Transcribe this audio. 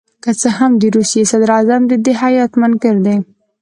که څه هم د روسیې صدراعظم د دې هیات منکر دي.